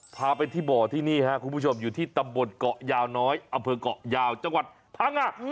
พาไปที่บ่อที่นี่ครับคุณผู้ชมอยู่ที่ตำบลเกาะยาวน้อยอำเภอกเกาะยาวจังหวัดพังงะ